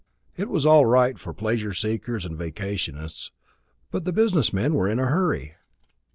It was all right for pleasure seekers and vacationists, but business men were in a hurry.